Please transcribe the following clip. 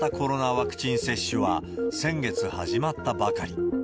ワクチン接種は、先月始まったばかり。